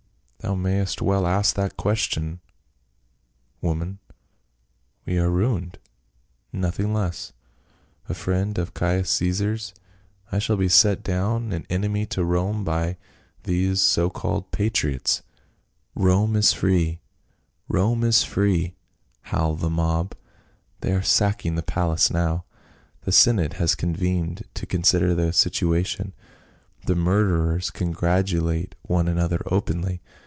" Thou mayst well ask that question, woman ! We are ruined — nothing less. A friend of Caius Caesar's, I shall be set down an enemy to Rome by these so called patriots. ' Rome is free ! Rome is free !' howl the mob ; they are sacking the palace now. The Senate has convened to consider the situation. The murderers congratulate one another openly.